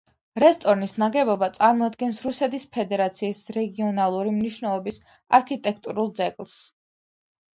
რესტორნის ნაგებობა წარმოადგენს რუსეთის ფედერაციის რეგიონალური მნიშვნელობის არქიტექტურულ ძეგლს.